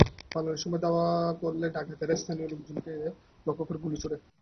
পালানোর সময় ধাওয়া করলে ডাকাতেরা স্থানীয় লোকজনকে লক্ষ্য করে গুলি ছোড়ে।